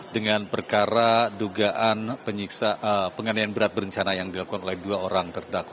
dengan perkara dugaan penganian berat berencana yang dilakukan oleh dua orang terdakwa